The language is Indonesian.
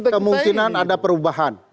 kemungkinan ada perubahan